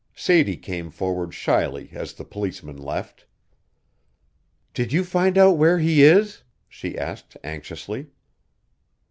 Sadie came forward shyly as the policemen left. "Did you find out where he is?" she asked anxiously.